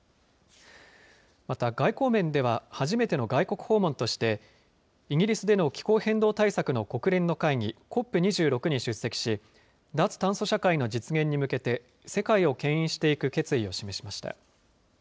また、外交面では初めての外国訪問として、イギリスでの気候変動対策の国連の会議、ＣＯＰ２６に出席し、脱炭素社会の実現に向けて、世界をけん引していく決意を示しました。